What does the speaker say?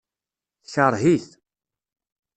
Tekṛeh-it.